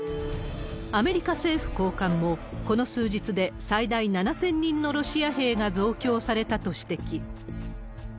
アメリカ政府高官も、この数日で最大７０００人のロシア兵が増強されたと指摘。